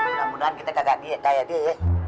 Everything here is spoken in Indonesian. mudah mudahan kita kagak kayak dia ya